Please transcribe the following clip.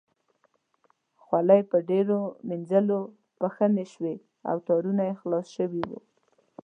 خولۍ په ډېرو مینځلو پښنې شوې او تارونه یې خلاص شوي وو.